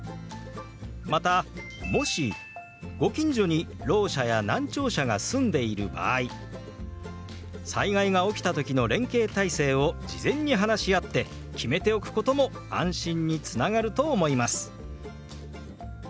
またもしご近所にろう者や難聴者が住んでいる場合災害が起きた時の連携体制を事前に話し合って決めておくことも安心につながると思います。